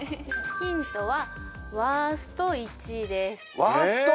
ヒントは「ワースト１位」ですワースト！？